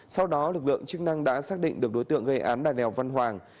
sau đó lực lượng chức năng đã xác định được đối tượng gây án lèo văn hoàng